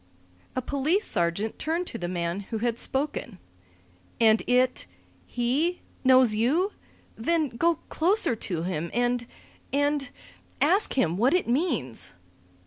A police sergeant turned to the man who had spoken. "And it he knows you? Then go closer to him, and and ask him what it means."